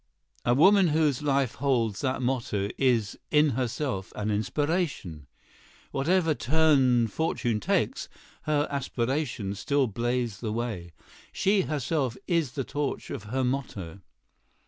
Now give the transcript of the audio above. A woman whose life holds that motto is in herself an inspiration. Whatever turn fortune takes, her aspirations still blaze the way. She herself is the torch of her motto.